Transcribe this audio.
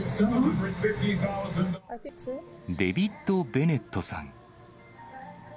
デビッド・ベネットさん。